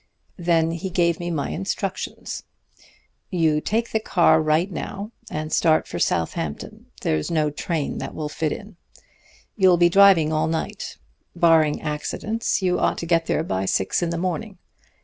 Then he gave me my instructions 'You take the car right now and start for Southampton there's no train that will fit in. You'll be driving all night. Barring accidents, you ought to get there by six in the morning.